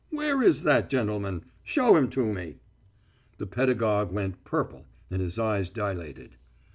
Where is that gentleman? Show him to me." The pedagogue went purple, and his eyes dilated.